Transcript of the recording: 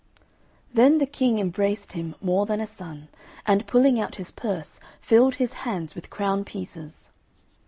Then the King embraced him more than a son, and pulling out his purse, filled his hands with crown pieces.